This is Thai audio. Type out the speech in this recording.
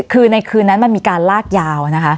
คือในคืนนั้นมันมีการลากยาวนะคะ